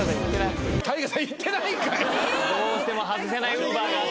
どうしても外せない用がある。